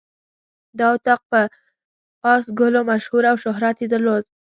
دا اطاق په آس ګلو مشهور او شهرت یې درلود.